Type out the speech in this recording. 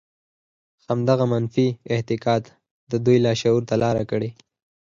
همدغه منفي اعتقاد د دوی لاشعور ته لاره کړې